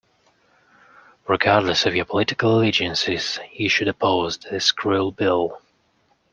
Regardless of your political allegiances, you should oppose this cruel bill.